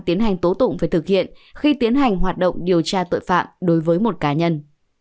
tiến hành tố tụng phải thực hiện khi tiến hành hoạt động điều tra tội phạm đối với một cá nhân